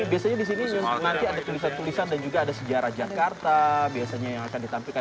biasanya di sini nanti ada tulisan tulisan dan juga ada sejarah jakarta biasanya yang akan ditampilkan